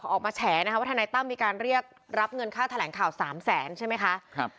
ออกมาแฉนะคะว่าทนายตั้มมีการเรียกรับเงินค่าแถลงข่าว๓แสนใช่ไหมคะ